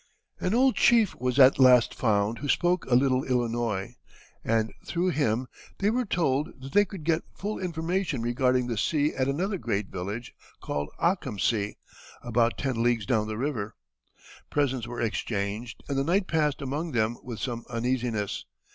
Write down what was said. An old chief was at last found who spoke a little Illinois, and through him they were told that they could get full information regarding the sea at another great village called Akamsea, about ten leagues down the river. Presents were exchanged and the night passed among them with some uneasiness.